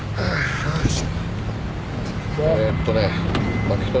よいしょ。